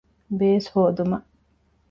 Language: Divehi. ބޭސް ހޯދުމަށް